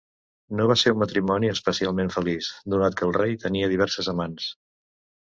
No va ser un matrimoni especialment feliç, donat que el rei tenia diverses amants.